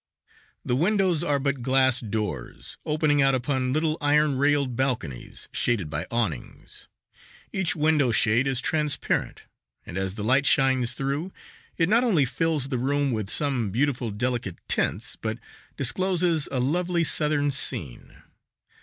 The windows are but glass doors opening out upon little iron railed balconies shaded by awnings. Each window shade is transparent, and as the light shines through, it not only fills the room with some beautiful delicate tints, but discloses a lovely Southern scene.